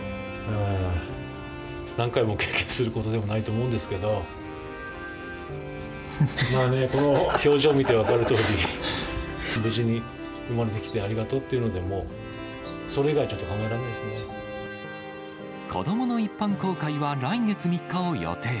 何回も経験することでもないと思うんですけど、この表情見てわかるとおり、無事に生まれてきてありがとうっていうので、もう、それ以外、子どもの一般公開は来月３日を予定。